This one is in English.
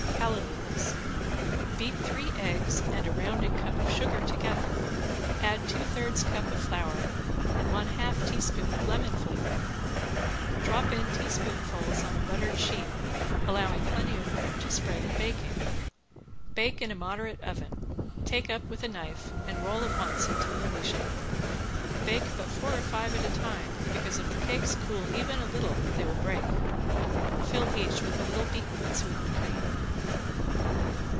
~CALLA LILIES~ Beat three eggs and a rounding cup of sugar together, add two thirds cup of flour and one half teaspoon of lemon flavoring. Drop in teaspoonfuls on a buttered sheet, allowing plenty of room to spread in baking. Bake in a moderate oven, take up with a knife, and roll at once into lily shape. Bake but four or five at a time because if the cakes cool even a little they will break. Fill each with a little beaten and sweetened cream.